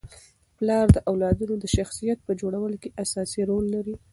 پلار د اولادونو د شخصیت په جوړولو کي اساسي رول لري.